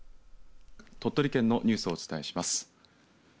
鳥取県のニュースをお伝えします。